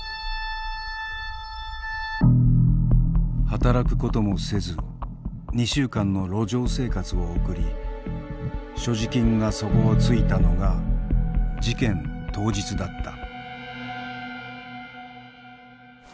働くこともせず２週間の路上生活を送り所持金が底をついたのが事件当日だった。